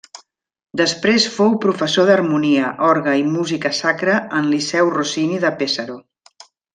Després fou professor d'harmonia, orgue i música sacra en Liceu Rossini de Pesaro.